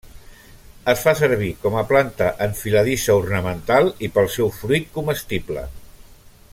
Es fa servir com a planta enfiladissa ornamental i pel seu fruit comestible.